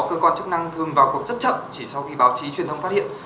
cơ quan chức năng thường vào cuộc rất chậm chỉ sau khi báo chí truyền thông phát hiện